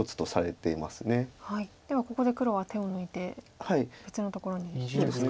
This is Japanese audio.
ではここで黒は手を抜いて別のところにいきますか。